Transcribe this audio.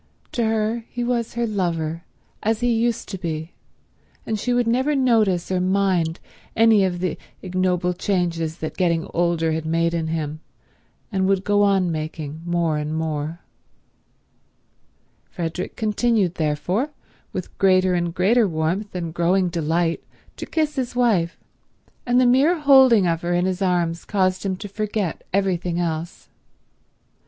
To her he was her lover, as he used to be; and she would never notice or mind any of the ignoble changes that getting older had made in him and would go on making more and more. Frederick continued, therefore, with greater and greater warmth and growing delight to kiss his wife, and the mere holding of her in his arms caused him to forget everything else.